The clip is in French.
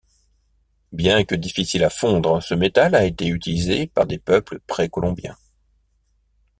Bien que difficile à fondre, ce métal a été utilisé par des peuples pré-colombiens.